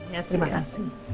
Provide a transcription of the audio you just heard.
ya terima kasih